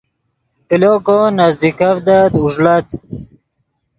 کلو کو نزیکڤدت اوݱڑت